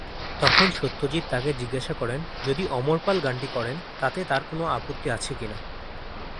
তখন সত্যজিৎ তাঁকে জিজ্ঞাসা করেন, যদি অমর পাল গানটি করেন, তাতে তাঁর কোনও আপত্তি আছে কি না।